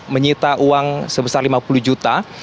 menyita uang sebesar lima puluh juta